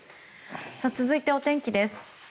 続いて、お天気です。